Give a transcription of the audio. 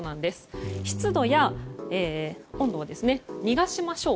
湿度や温度を逃がしましょう。